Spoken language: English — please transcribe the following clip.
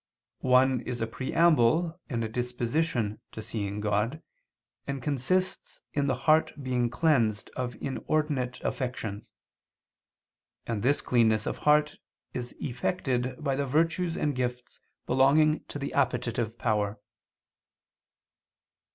One is a preamble and a disposition to seeing God, and consists in the heart being cleansed of inordinate affections: and this cleanness of heart is effected by the virtues and gifts belonging to the appetitive power.